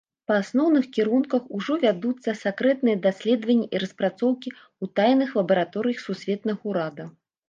Па асноўных кірунках ужо вядуцца сакрэтныя даследаванні і распрацоўкі ў тайных лабараторыях сусветнага ўрада.